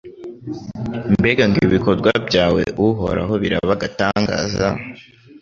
Mbega ngo ibikorwa byawe Uhoraho biraba agatangaza